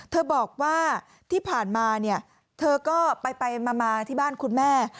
เธอบอกว่าที่ผ่านมาเนี่ยเธอก็ไปมาที่บ้านคุณแม่